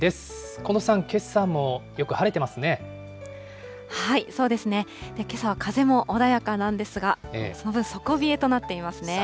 近藤さん、そうですね、けさは風も穏やかなんですが、その分、底冷えとなっていますね。